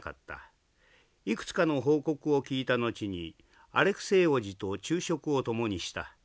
いくつかの報告を聞いた後にアレクセイ王子と昼食を共にした。